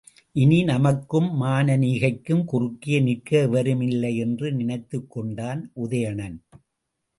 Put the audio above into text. இனி நமக்கும் மானனீகைக்கும் குறுக்கே நிற்க எவருமில்லை என்று நினைத்துக் கொண்டான் உதயணன்.